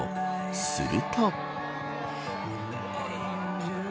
すると。